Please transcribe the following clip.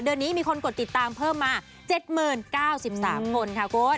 เดือนนี้มีคนกดติดตามเพิ่มมา๗๐๙๓คนค่ะคุณ